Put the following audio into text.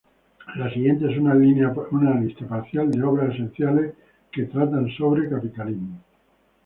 La siguiente es una lista parcial de obras esenciales que tratan sobre anarcocapitalismo.